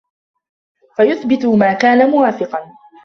فَيُثْبِتَ مَا كَانَ مُوَافِقًا